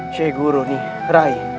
syekh guru nih rai